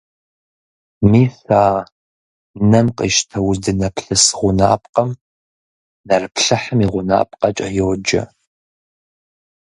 Мис а нэм къищтэ, уздынэплъыс гъунапкъэм нэрыплъыхьым и гъунапкъэкӀэ йоджэ.